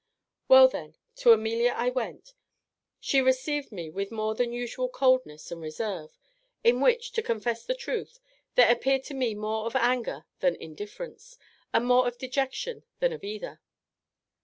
"Well, then, to Amelia I went; she received me with more than usual coldness and reserve; in which, to confess the truth, there appeared to me more of anger than indifference, and more of dejection than of either.